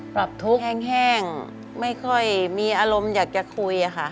ทุกข์แห้งไม่ค่อยมีอารมณ์อยากจะคุยค่ะ